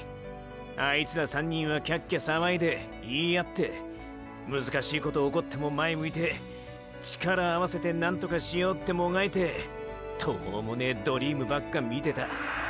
あいつら３人はキャッキャさわいで言い合ってムズかしいこと起こっても前向いて力合わせて何とかしようってもがいて途方もねぇドリームばっか見てた。